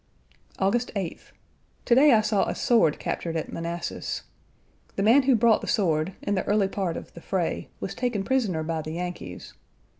August 8th. To day I saw a sword captured at Manassas. The man who brought the sword, in the early part of the fray, was taken prisoner by the Yankees.